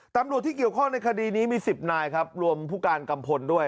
ตำรวจที่เกี่ยวข้องในคดีนี้มี๑๐นายครับรวมผู้การกัมพลด้วย